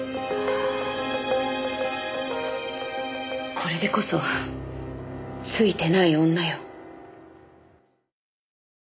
これでこそツイてない女よ。